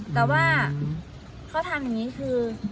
แต่ว่าเขาทำอย่างนี้คือ